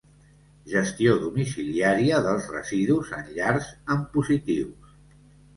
Gestió domiciliària dels residus en llars amb positius.